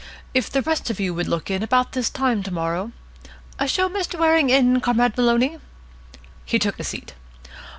If the rest of you would look in about this time to morrow Show Mr. Waring in, Comrade Maloney." He took a seat.